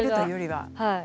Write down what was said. はい。